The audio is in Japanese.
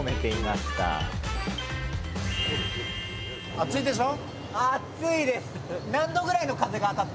暑いでしょ？